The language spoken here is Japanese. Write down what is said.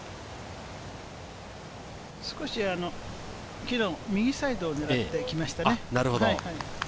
少し木の右サイドを狙ってきましたね。